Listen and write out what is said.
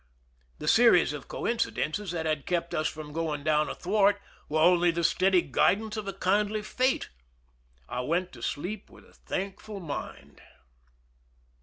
The series of coincidences that had kept us from going down athwart were only the steady guidance of a kindly fate. I went to sleep with a thankful mind.